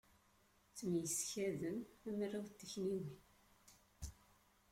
Ttemyeskaden, am arraw n takniwin.